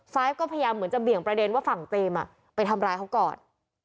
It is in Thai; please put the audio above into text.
ไฟล์ก็พยายามเหมือนจะเบี่ยงประเด็นว่าฝั่งเจมส์ไปทำร้ายเขาก่อน